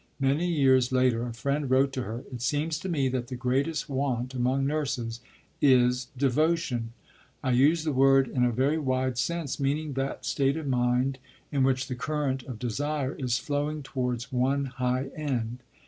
Many years later, a friend wrote to her: "It seems to me that the greatest want among nurses is devotion. I use the word in a very wide sense, meaning that state of mind in which the current of desire is flowing towards one high end.